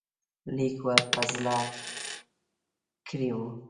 لیک ور په زړه کړی وو.